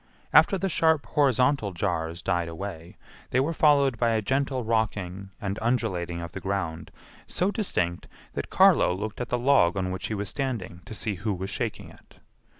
After the sharp horizontal jars died away, they were followed by a gentle rocking and undulating of the ground so distinct that Carlo looked at the log on which he was standing to see who was shaking it.